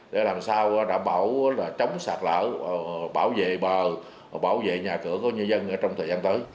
để làm sao đảm bảo là chống sạt lỡ bảo vệ bờ bảo vệ nhà cửa của nhân dân trong thời gian tới